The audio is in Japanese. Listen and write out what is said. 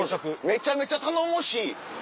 めちゃめちゃ頼もしい！